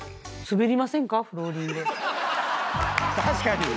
確かに！